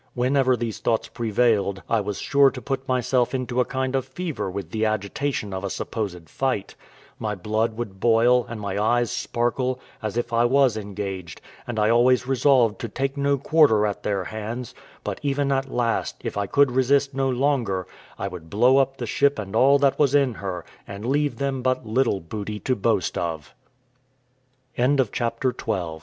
Whenever these thoughts prevailed, I was sure to put myself into a kind of fever with the agitation of a supposed fight; my blood would boil, and my eyes sparkle, as if I was engaged, and I always resolved to take no quarter at their hands; but even at last, if I could resist no longer, I would blow up the ship and all that was in her, and leave them but little booty to boast of. CHAPTER XIII ARRIVAL